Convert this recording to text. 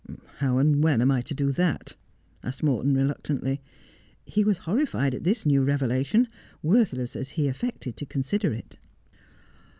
' How and when am I to do that 'I ' asked Morton reluctantly. He was horrified at this new revelation, worthless as he affected to consider it.